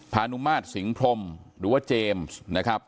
พานุมาตรสิงพรมหรือว่าเจมส์นะครับ